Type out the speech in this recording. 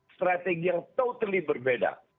strategi yang totally berbeda